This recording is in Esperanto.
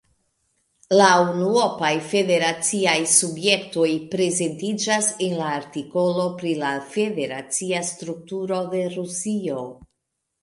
La unuopaj federaciaj subjektoj prezentiĝas en la artikolo pri la federacia strukturo de Rusio.